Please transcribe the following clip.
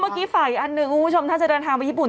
อ๋อเมื่อกี้ฝ่ายอันหนึ่งคุณผู้ชมถ้าจะเดินทางไปญี่ปุ่น